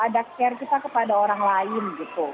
ada care kita kepada orang lain gitu